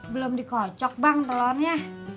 belum dikocok bang telurnya